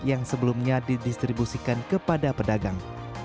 yang sebelumnya didistribusikan kepada pedagang